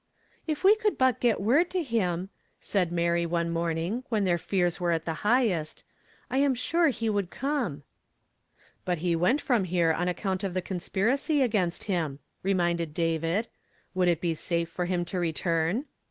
'" If we could bit get word to him," said Mary one morning, when their fears were at the highest, " I am sure he would come." " But he went from here on account of the con spiracy against him," reminded David. "Would it be safe for him to return ?